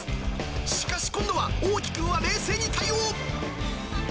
しかし、今度は、おうき君は冷静に対応。